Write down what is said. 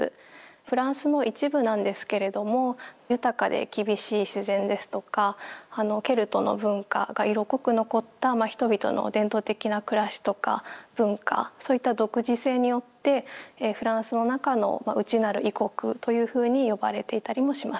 フランスの一部なんですけれども豊かで厳しい自然ですとかケルトの文化が色濃く残った人々の伝統的な暮らしとか文化そういった独自性によってフランスの中の内なる異国というふうに呼ばれていたりもします。